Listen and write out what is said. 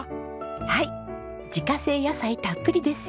はい自家製野菜たっぷりですよ！